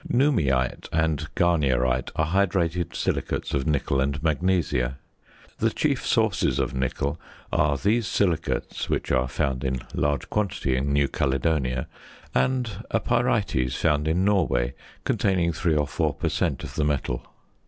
Noumeite and garnierite are hydrated silicates of nickel and magnesia. The chief sources of nickel are these silicates, which are found in large quantity in New Caledonia; and a pyrites found in Norway, containing three or four per cent. of the metal.